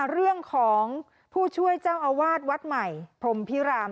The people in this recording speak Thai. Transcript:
เรื่องของผู้ช่วยเจ้าอาวาสวัดใหม่พรมพิราม